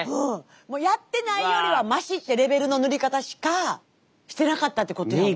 もうやってないよりはマシってレベルの塗り方しかしてなかったってことやわ。